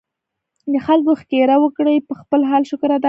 د خلکو ښېګړه وکړي ، پۀ خپل حال شکر ادا کړي